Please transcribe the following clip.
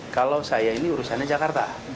kalau saya ini urusannya jakarta